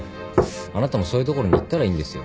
あなたもそういう所に行ったらいいんですよ。